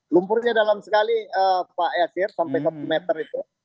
lumpurnya dalam sekali pak easir sampai satu meter itu